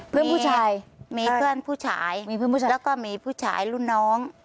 เพื่อนผู้ชายมีเพื่อนผู้ชายแล้วก็มีผู้ชายรุ่นน้อง